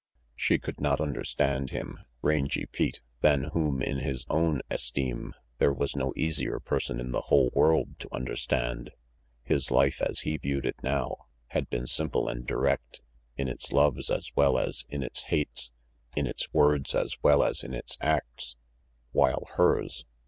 She could not under stand him, Rangy Pete, than whom, in his own 814 RANGY PETE esteem, there was no easier person in the whole world to understand. His life, as he viewed it now, had been simple and direct, in its loves as well as in its hates, in its words as well as in its acts. While hers?